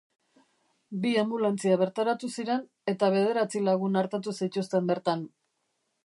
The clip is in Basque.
Bi anbulantzia bertaratu ziren eta bederatzi lagun artatu zituzten bertan.